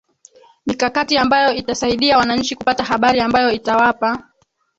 mikakati ambayo itasaidia wananchi kupata habari ambayo itawapa